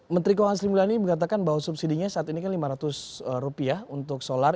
menteri keuangan sri mulyani mengatakan bahwa subsidinya saat ini kan lima ratus rupiah untuk solar